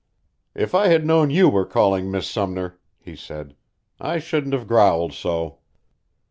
"If I had known you were calling, Miss Sumner," he said, "I shouldn't have growled so."